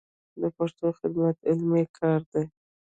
د پښتو خدمت علمي کار دی.